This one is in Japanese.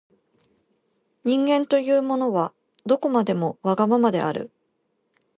人間というものは、どこまでもわがままである。